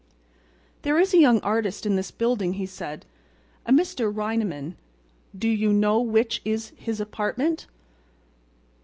"There is a young artist in this building," he said. "—a Mr. Reineman—do you know which is his apartment?"